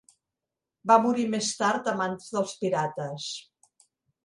Va morir més tard a mans dels pirates.